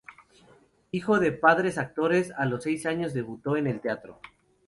Hijo de padres actores, a los seis años debutó en el teatro.